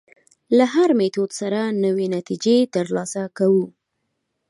له هر میتود سره نوې نتیجې تر لاسه کوو.